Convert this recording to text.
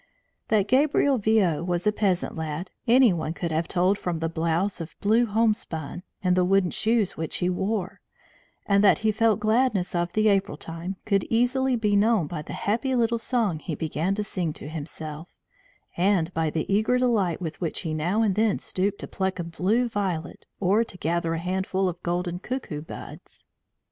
That Gabriel Viaud was a peasant lad, any one could have told from the blouse of blue homespun, and the wooden shoes which he wore; and that he felt the gladness of the April time could easily be known by the happy little song he began to sing to himself, and by the eager delight with which he now and then stooped to pluck a blue violet or to gather a handful of golden cuckoo buds.